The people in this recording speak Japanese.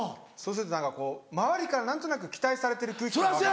そうすると何かこう周りから何となく期待されてる空気感。